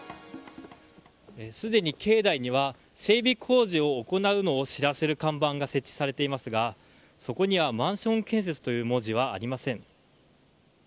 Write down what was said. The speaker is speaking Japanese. すでに境内には整備工事を行うのを知らせる看板が設置されていますがそこにはマンション建設という文字はありません。